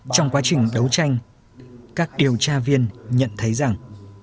trong quá trình đấu tranh các điều tra viên nhận thấy rằng